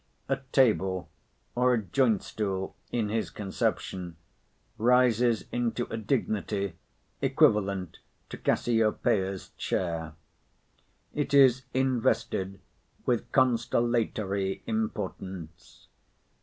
A table, or a joint stool, in his conception, rises into a dignity equivalent to Cassiopeia's chair. It is invested with constellatory importance.